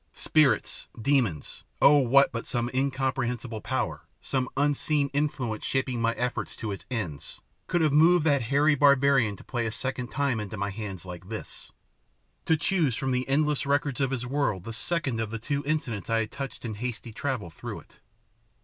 Spirits, demons! Oh! what but some incomprehensible power, some unseen influence shaping my efforts to its ends, could have moved that hairy barbarian to play a second time into my hands like this, to choose from the endless records of his world the second of the two incidents I had touched in hasty travel through it?